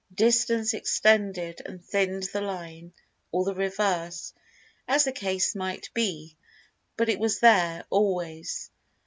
Distance extended and thinned the line, or the reverse, as the case might be—but it was there, always.